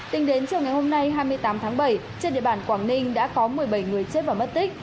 tính đến chiều ngày hôm nay hai mươi tám tháng bảy trên địa bàn quảng ninh đã có một mươi bảy người chết và mất tích